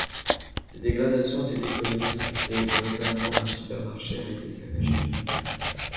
Des dégradations ont été commises et, notamment, un supermarché a été saccagé.